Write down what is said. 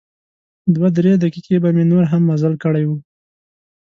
دوه درې دقیقې به مې نور هم مزل کړی و.